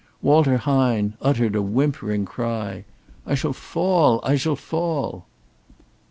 Walter Hine uttered a whimpering cry: "I shall fall! I shall fall!"